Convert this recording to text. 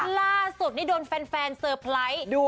ล่าสุดนี่โดนแฟนเตอร์ไพรส์